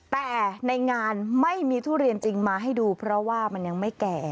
แต่ในงานไม่มีทุเรียนจริงมาให้ดูเพราะว่ามันยังไม่แก่